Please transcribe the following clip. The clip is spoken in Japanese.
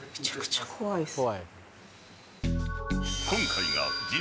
［今回が］